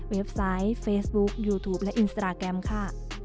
ไซต์เฟซบุ๊คยูทูปและอินสตราแกรมค่ะ